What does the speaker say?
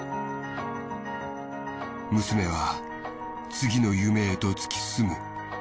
娘は次の夢へと突き進む。